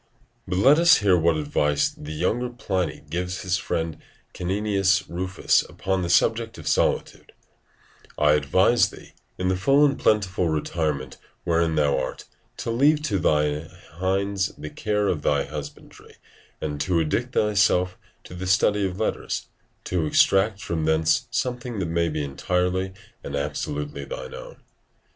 Horace, Ep., i, 12, 12.] But let us hear what advice the younger Pliny gives his friend Caninius Rufus upon the subject of solitude: "I advise thee, in the full and plentiful retirement wherein thou art, to leave to thy hinds the care of thy husbandry, and to addict thyself to the study of letters, to extract from thence something that may be entirely and absolutely thine own."